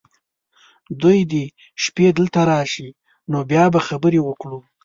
دوی دې شپې دلته راشي ، نو بیا به خبرې وکړو .